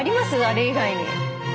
あれ以外に。